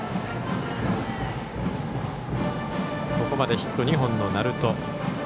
ここまでヒット２本の鳴門。